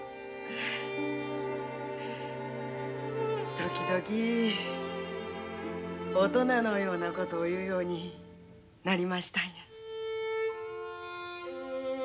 時々大人のようなことを言うようになりましたんや。